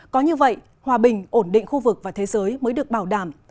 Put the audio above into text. có như vậy hòa bình ổn định khu vực và thế giới mới được bảo đảm